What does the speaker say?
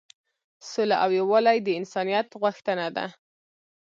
سوله او یووالی د انسانیت غوښتنه ده.